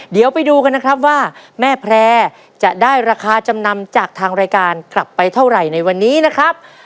เดี๋ยวไปดูกันนะครับว่าแม่แพร่จะได้ราคาจำนำจากทางรายการกลับไปเท่าไหร่ในวันนี้นะครับ